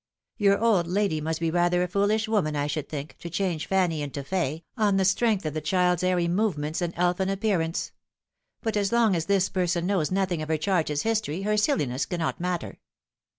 Your old lady must be rather a foolish woman, I should think, to change Fanny into Fay, on the strength of the child's airy movements and elfin appearance ; but as long as this person knows nothing of her charge's history her silliness cannot matter."